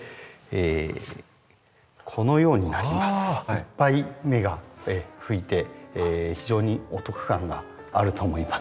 いっぱい芽が吹いて非常にお得感があると思います。